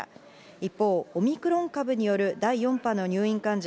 一方、オミクロン株による第４波の入院患者